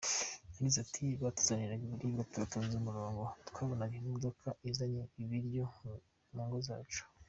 Yagize ati “Batuzaniraga ibiribwa tudatonze umurongo, twabonaga imodoka izanye ibiryo mu ngo zacu.